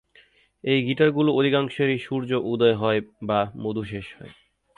এই গীটারগুলোর অধিকাংশেরই সূর্য উদয় হয় বা মধু শেষ হয়।